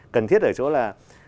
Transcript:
cần thiết ở chỗ là